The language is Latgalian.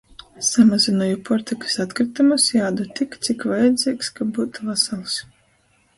Samazynoju puortykys atkrytumus i ādu tik, cik vajadzeigs, kab byutu vasals.